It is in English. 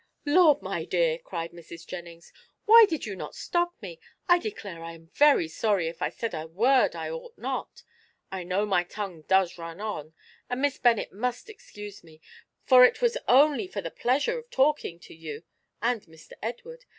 "Lord, my dear," cried Mrs. Jennings, "why did you not stop me? I declare I am very sorry if I said a word I ought not. I know my tongue does run on, and Miss Bennet must excuse me, for it was only for the pleasure of talking to you and Mr. Edward.